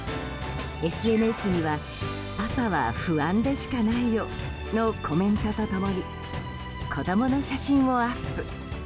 ＳＮＳにはパパは不安でしかないよのコメントと共に子供の写真をアップ。